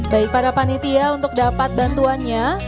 baik para panitia untuk dapat bantuannya